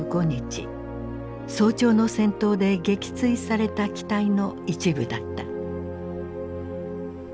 早朝の戦闘で撃墜された機体の一部だった。